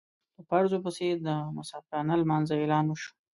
په فرضو پسې د مسافرانه لمانځه اعلان وشو.